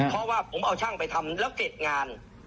เพราะว่าผมเอาช่างไปทำแล้วเสร็จงาน